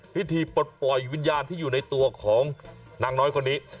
ปลดปล่อยวิญญาณที่อยู่ในตัวของนางน้อยคนนี้